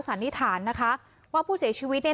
สันนิษฐานนะคะว่าผู้เสียชีวิตเนี่ย